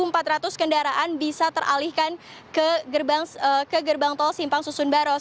jadi sekitar satu empat ratus kendaraan bisa teralihkan ke gerbang tol simpang susun baros